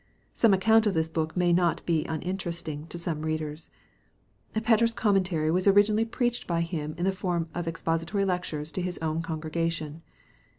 Some account of this book may not be uninteresting to some readers. Fetter's Commentary was originally preached by him in the form of expository lectures to his own congregation.